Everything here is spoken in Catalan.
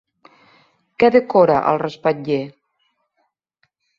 Què decora el respatller?